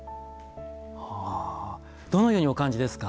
どのようにお感じですか？